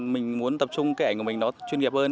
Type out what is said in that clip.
mình muốn tập trung cái ảnh của mình nó chuyên nghiệp hơn